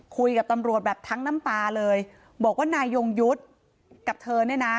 คุยกับตำรวจแบบทั้งน้ำตาเลยบอกว่านายยงยุทธ์กับเธอเนี่ยนะ